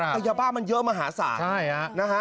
อัยบาปมันเยอะมหาศาล